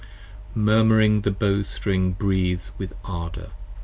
Murmuring the Bowstring breathes with ardor.